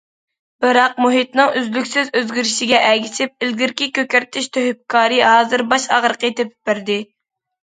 بىراق، مۇھىتنىڭ ئۈزلۈكسىز ئۆزگىرىشىگە ئەگىشىپ، ئىلگىرىكى كۆكەرتىش تۆھپىكارى ھازىر باش ئاغرىقى تېپىپ بەردى.